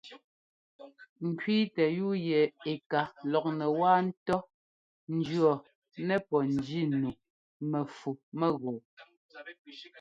Ŋ kẅíitɛ yúu yɛ ɛ́ ka lɔknɛ wáa ńtɔ́ jʉ̈ɔɔ nɛpɔ́ njínumɛfumɛgɔɔ.